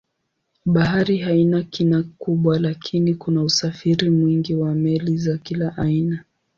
Bahari haina kina kubwa lakini kuna usafiri mwingi wa meli za kila aina.